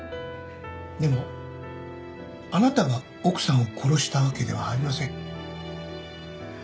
でもあなたが奥さんを殺したわけではありません。